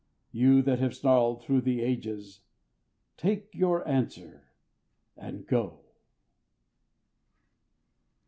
You that have snarled through the ages, take your answer and go.